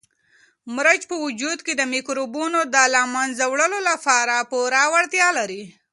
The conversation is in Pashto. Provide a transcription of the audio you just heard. مرچ په وجود کې د مکروبونو د له منځه وړلو لپاره پوره وړتیا لري.